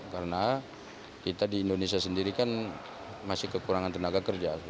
karena kita di indonesia sendiri kan masih kekurangan tenaga kerja